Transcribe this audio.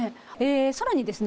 更にですね